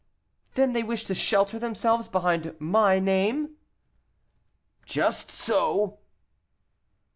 "Then they wish to shelter themselves behind my name?" "Just so."